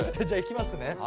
じゃあいきますね。